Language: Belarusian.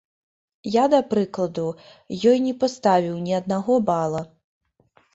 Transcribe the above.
Я, да прыкладу, ёй не паставіў ні аднаго бала.